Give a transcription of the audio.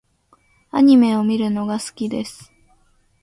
アニメを見るのが好きです。